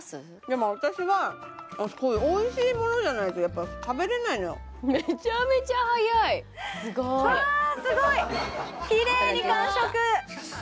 でも私はおいしいものじゃないとやっぱ食べれないのよめちゃめちゃ早いすごいわすごいきれいに完食！